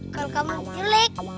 kalau kamu curig